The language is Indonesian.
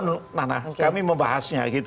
nah nah kami membahasnya gitu